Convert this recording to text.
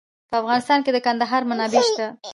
په افغانستان کې د کندهار منابع شته.